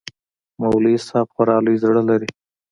مولوى صاحب خورا لوى زړه لري.